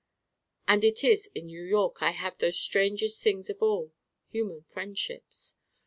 And it is in New York I have those strangest things of all: human friendships.